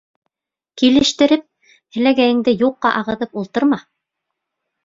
— Килештереп, һеләгәйеңде юҡҡа ағыҙып ултырма.